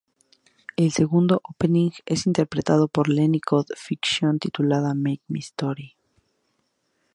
El segundo opening es interpretado por Lenny code fiction titulada "Make my Story".